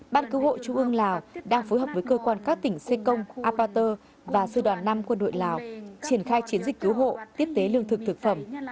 ban cứu hộ trung ương lào đang phối hợp với cơ quan các tỉnh xê công apater và sư đoàn năm quân đội lào triển khai chiến dịch cứu hộ tiếp tế lương thực thực phẩm